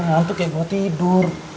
ngantuk ya gue tidur